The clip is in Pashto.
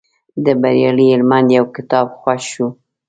د بریالي هلمند یو کتاب خوښ شو.